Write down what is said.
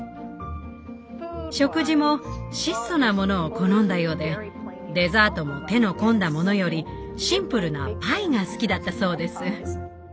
食事も質素なものを好んだようでデザートも手の込んだものよりシンプルなパイが好きだったそうです。